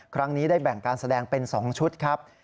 ครั้งนี้ได้แบ่งการแสดงเป็น๒ชุดครับ